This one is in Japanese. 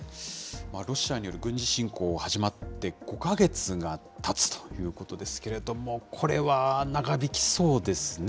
ロシアによる軍事侵攻が始まって５か月がたつということですけれども、これは長引きそうですね。